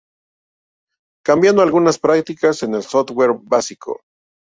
Cambiando algunas prácticas en el software básico